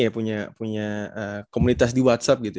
punya komunitas di whatsapp